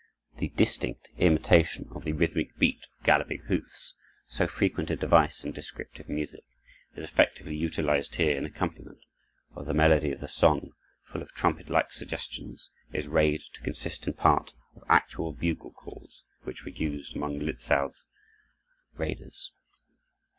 The distinct imitation of the rhythmic beat of galloping hoofs, so frequent a device in descriptive music, is effectively utilized here in accompaniment, while the melody of the song, full of trumpet like suggestions, is raid to consist in part of actual bugle calls which were used among Lützow's raiders.